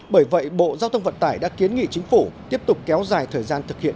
bởi vậy bộ giao thông vận tải đã kiến nghị chính phủ tiếp tục kéo dài thời gian thực hiện